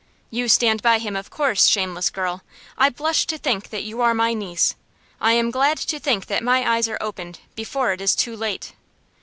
"You stand by him, of course, shameless girl! I blush to think that you are my niece. I am glad to think that my eyes are opened before it is too late."